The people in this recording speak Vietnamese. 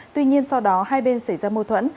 tuy nhiên sau đó hai bên xảy ra mâu thuẫn